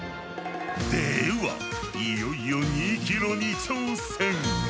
ではいよいよ２キロに挑戦！